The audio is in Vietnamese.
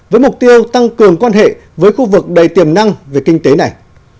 với mục tiêu tăng cường quan hệ với khu vực đầy tiềm năng về kinh tế này